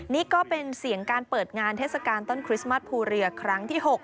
นี่ก็เป็นเสียงการเปิดงานเทศกาลต้นคริสต์มัสภูเรือครั้งที่๖